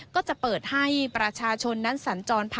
ก็จะเปิดให้ประชาชนนั้นสัญจรผ่าน